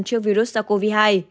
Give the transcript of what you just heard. trước virus sars cov hai